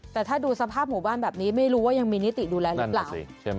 แต่ถ้าดูสภาพหมู่บ้านแบบนี้ไม่รู้ว่ายังมีนิติดูแลหรือเปล่า